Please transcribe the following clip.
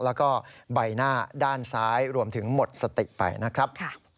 แล้วก็ใบหน้าด้านซ้ายรวมถึงหมดสติไปนะครับ